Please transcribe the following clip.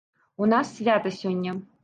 У нас свята сёння.